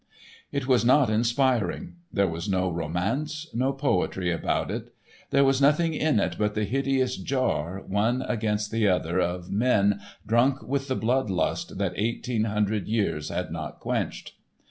It was not inspiring; there was no romance, no poetry about it; there was nothing in it but the hideous jar, one against the other, of men drunk with the blood lust that eighteen hundred years had not quenched.